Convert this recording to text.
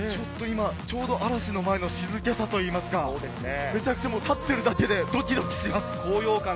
ちょうど嵐の前の静けさといいますか、めちゃくちゃ立っているだけでドキドキします。